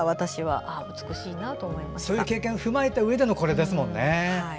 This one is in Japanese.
そういう経験を踏まえたうえでのこれですもんね。